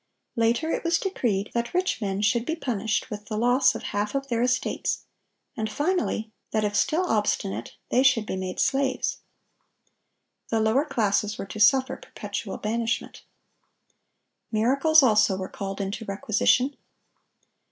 Later it was decreed that rich men should be punished with the loss of half of their estates; and finally, that if still obstinate they should be made slaves. The lower classes were to suffer perpetual banishment. Miracles also were called into requisition.